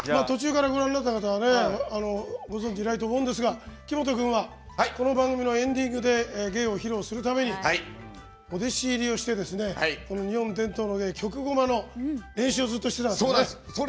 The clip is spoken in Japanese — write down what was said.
途中からご覧になった方はご存じないと思うんですが木本君はこの番組のエンディングで芸を披露するためにお弟子入りをして日本伝統の曲ごまの練習をずっとしてたんですね。